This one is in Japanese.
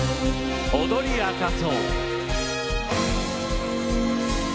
「踊りあかそう」。